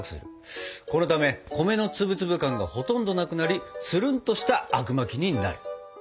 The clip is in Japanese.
このため米の粒々感がほとんどなくなりつるんとしたあくまきになる。